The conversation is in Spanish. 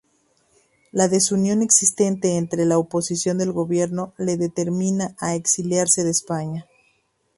La desunión existente entre la oposición al gobierno le determina a exiliarse en España.